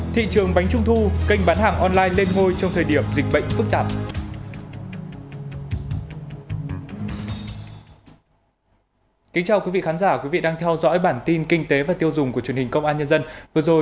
thị trường bánh trung thu kênh bán hàng online lên ngôi trong thời điểm dịch bệnh phức tạp